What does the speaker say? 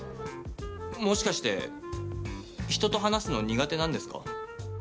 もしかして人と話すの苦手なんですか？